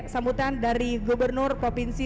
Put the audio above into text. sambutan dari gubernur provinsi